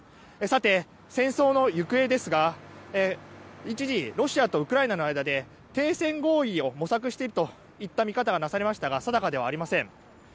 さて戦争の行方ですが一時、ロシアとウクライナの間で停戦合意を模索しているといった見方がなされましたが定かではありません。